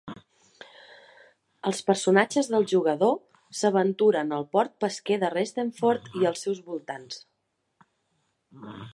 Els personatges del jugador s'aventuren al port pesquer de Restenford i els seus voltants.